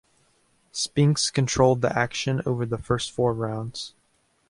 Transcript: Spinks controlled the action over the first four rounds.